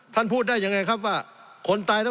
สงบจนจะตายหมดแล้วครับ